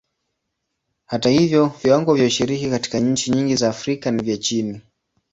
Hata hivyo, viwango vya ushiriki katika nchi nyingi za Afrika ni vya chini.